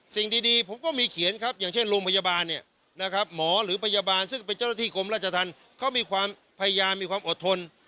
สิ่งดีผมก็มีเขียนครับอย่างเช่นโรงพยาบาลเนี่ยนะครับหมอหรือพยาบาลซึ่งเป็นเจ้าหน้าที่กรมราชธรรมเขามีความพยายามมีความอดทน